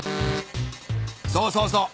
そうそうそう。